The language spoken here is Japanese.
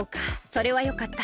それはよかった。